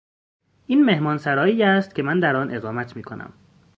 این مهمانسرایی است که من در آن اقامت میکنم.